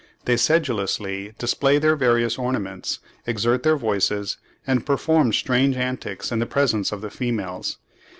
They sedulously display their various ornaments, exert their voices, and perform strange antics in the presence of the females.